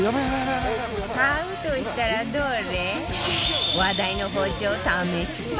買うとしたらどれ？